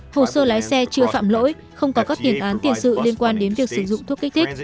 hồ sơ lái xe chưa phạm lỗi không có các tiền án tiền sự liên quan đến việc sử dụng thuốc kích thích